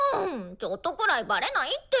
ちょっとくらいバレないって！